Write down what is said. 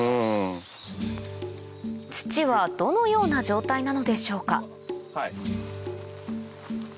土はどのような状態なのでしょうか